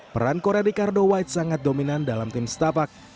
peran korea ricardo white sangat dominan dalam tim setapak